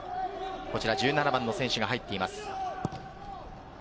１７番の選手が入っています。